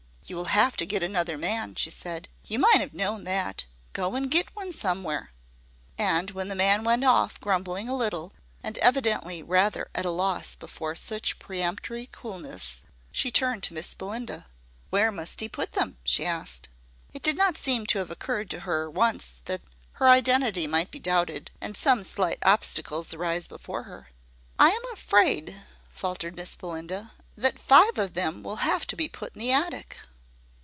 "You will have to get another man," she said. "You might have known that. Go and get one somewhere." And when the man went off, grumbling a little, and evidently rather at a loss before such peremptory coolness, she turned to Miss Belinda. "Where must he put them?" she asked. It did not seem to have occurred to her once that her identity might be doubted, and some slight obstacles arise before her. "I am afraid," faltered Miss Belinda, "that five of them will have to be put in the attic."